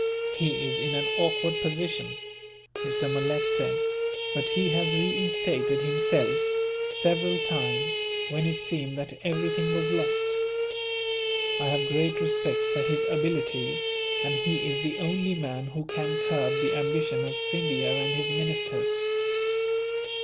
"He is in an awkward position," Mr. Malet said, "but he has reinstated himself, several times, when it seemed that everything was lost. I have great respect for his abilities, and he is the only man who can curb the ambition of Scindia and his ministers.